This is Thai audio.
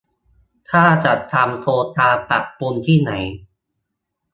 ถ้าจะทำโครงการปรับปรุงที่ไหน